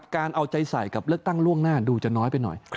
เอาใจใส่กับเลือกตั้งล่วงหน้าดูจะน้อยไปหน่อย